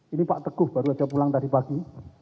ini pak teguh baru saja pulang tadi pagi